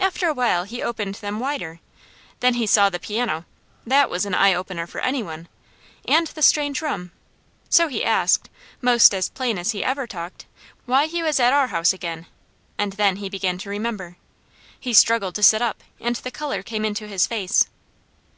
After a while he opened them wider, then he saw the piano that was an eye opener for any one and the strange room, so he asked, most as plain as he ever talked, why he was at our house again, and then he began to remember. He struggled to sit up and the colour came into his face.